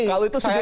kalau itu sudah